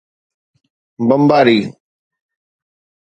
بمباري